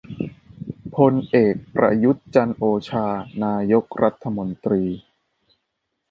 พลเอก ประยุทธ์ จันทร์โอชา นายกรัฐมนตรี